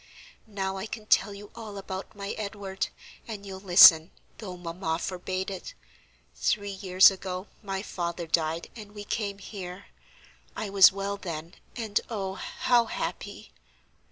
Now I can tell you all about my Edward, and you'll listen, though mamma forbade it. Three years ago my father died, and we came here. I was well then, and oh, how happy!"